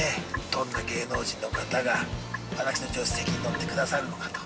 どんな芸能人の方が私の助手席に乗ってくださるのかと。